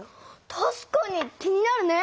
たしかに気になるね！